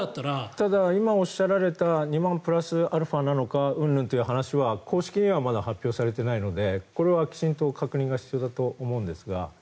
ただ、今おっしゃられた２万、プラスアルファなのかうんぬんという話は公式にはまだ発表されていないのでこれはきちんと確認が必要だと思うんですが。